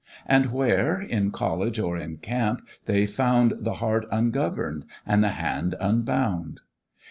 And where (in college or in camp) they found The heart ungovern'd and the hand unbound?